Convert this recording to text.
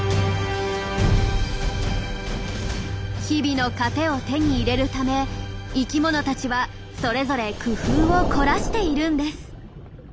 日々の糧を手に入れるため生きものたちはそれぞれ工夫を凝らしているんです。